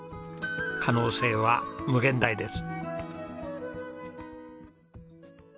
可能性は無限大です。